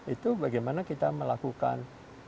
itu bagaimana kita melakukan